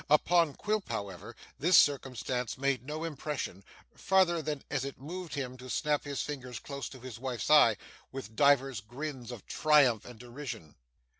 Upon Quilp, however, this circumstance made no impression, farther than as it moved him to snap his fingers close to his wife's eyes, with divers grins of triumph and derision.